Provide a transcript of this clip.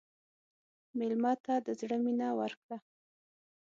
مېلمه ته د زړه مینه ورکړه.